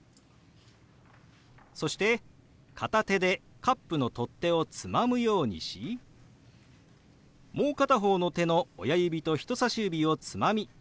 そして片手でカップの取っ手をつまむようにしもう片方の手の親指と人さし指をつまみかき混ぜるように動かします。